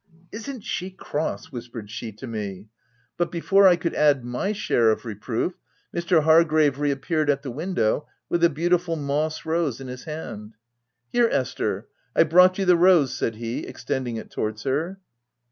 " Isn't she cross?" whispered she to me; but, before I could add my share of reproof, Mr. Hargrave reappeared at the window with a beautiful moss rose in his hand. " Here, Esther, I've brought you the rose," said he, extending it towards her.